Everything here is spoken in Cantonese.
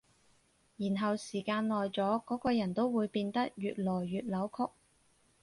然後時間耐咗，嗰個人都會變得越來越扭曲